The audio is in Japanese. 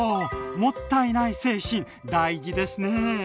もったいない精神大事ですね。